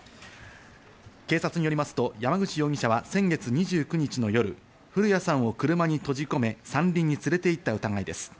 警察によりますと山口容疑者は先月２９日の夜、古屋さんを車に閉じ込め山林に連れて行った疑いです。